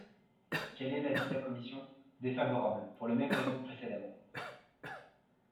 Quel est l’avis de la commission ? Défavorable, pour les mêmes raisons que précédemment.